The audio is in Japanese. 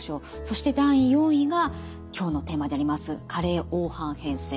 そして第４位が今日のテーマであります加齢黄斑変性。